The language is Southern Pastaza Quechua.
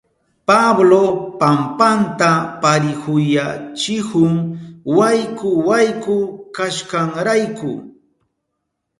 Pablo pampanta parihuyachihun wayku wayku kashkanrayku.